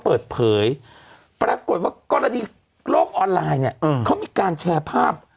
เปิดเผยปรากฏว่ากรณีโลกออนไลน์เนี่ยเขามีการแชร์ภาพ